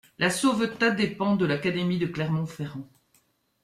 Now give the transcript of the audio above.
La Sauvetat dépend de l'académie de Clermont-Ferrand.